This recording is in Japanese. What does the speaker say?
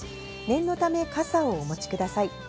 念のため傘をお持ちください。